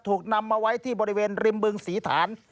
ถูกนำมาไว้ที่บริเวณริมบึงศรีฐาน